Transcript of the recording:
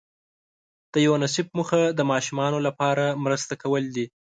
د یونیسف موخه د ماشومانو لپاره مرسته کول دي.